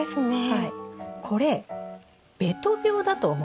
はい。